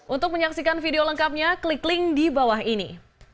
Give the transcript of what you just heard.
untuk menyaksikan video lengkapnya klik link di bawah ini